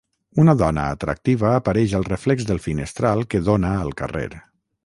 Una dona atractiva apareix al reflex del finestral que dona al carrer.